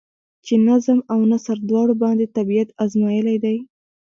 چې نظم او نثر دواړو باندې طبېعت ازمائېلے دے ۔